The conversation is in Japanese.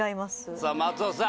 さあ松尾さん